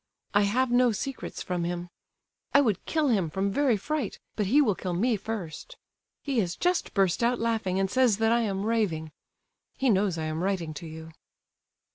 I have no secrets from him. I would kill him from very fright, but he will kill me first. He has just burst out laughing, and says that I am raving. He knows I am writing to you."